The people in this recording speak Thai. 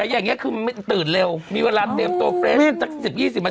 อย่างเนี้ยคือตื่นเร็วมีเวลาเต็มตัวเต็มจากสิบยี่สิบมาสิบ